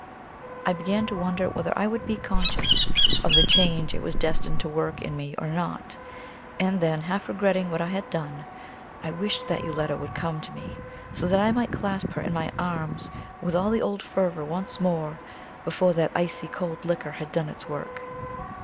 I began to wonder whether I would be conscious of the change it was destined to work in me or not; and then, half regretting what I had done, I wished that Yoletta would come to me, so that I might clasp her in my arms with all the old fervor once more, before that icy cold liquor had done its work.